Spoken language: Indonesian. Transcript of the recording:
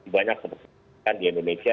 banyak di indonesia